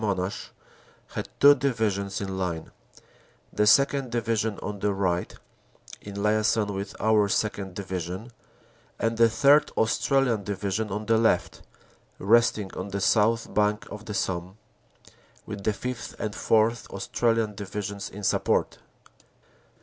Monash, had two divisions in line, the 2nd. Division on the right in liason 36 CANADA S HUNDRED DAYS with our 2nd. Division, and the 3rd. Australian Division on the left, resting on the south bank of the Somme, with the Sth. and 4th. Australian Divisions in support.